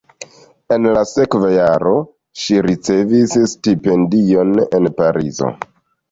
En la sekva jaro ŝi ricevis stipendion en Parizo.